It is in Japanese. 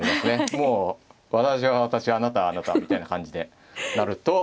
もう私は私あなたはあなたみたいな感じでなると。